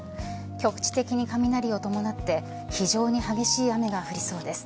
局地的に雷を伴って非常に激しい雨が降りそうです。